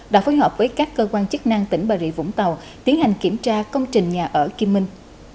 đã phối hợp với các cơ quan chức năng tỉnh bà rịa vũng tàu tiến hành kiểm tra công trình nhà ở kim minh